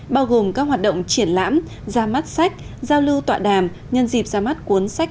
bao gồm các hoạt động triển lãm ra mắt sách giao lưu tọa đàm nhân dịp ra mắt cuốn sách